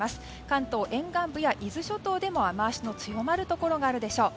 関東沿岸部や伊豆諸島でも雨脚の強まるところがあるでしょう。